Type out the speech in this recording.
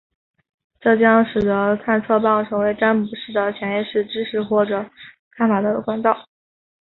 这将使得探测棒成为占卜师的潜意识知识或看法的管道。